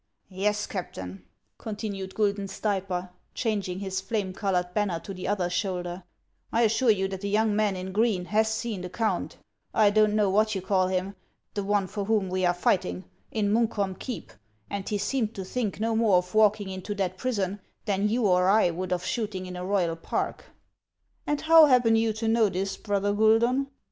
" Yes, Captain," continued Guidon Stayper, changing his flame colored banner to the other shoulder; "I assure you that the young man in green has seen Count — I don't know what you call him, the one for whom we are fight ing — in Munkholm keep ; and he seemed to think no more of walking into that prison than you or I would of shooting in a royal park." " And how happen you to know this, brother Guidon